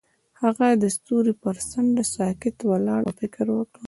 هغه د ستوري پر څنډه ساکت ولاړ او فکر وکړ.